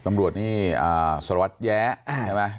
ตำรวจนี่สารวัตรแย้ใช่ไหม